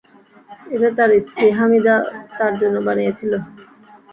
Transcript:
এটা তার স্ত্রী হামিদা তার জন্য বানিয়েছিল।